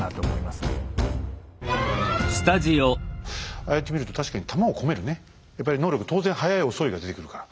ああやって見ると確かに弾を込めるねやっぱり能力当然早い遅いが出てくるから。